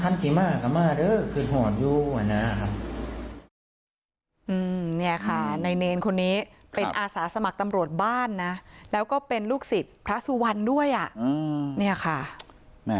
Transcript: เนี่ยค่ะในเนรคนนี้เป็นอาสาสมัครตำรวจบ้านนะแล้วก็เป็นลูกศิษย์พระสุวรรณด้วยอ่ะเนี่ยค่ะ